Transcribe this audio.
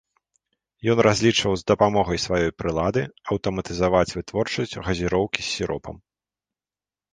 Ён разлічваў з дапамогай сваёй прылады аўтаматызаваць вытворчасць газіроўкі з сіропам.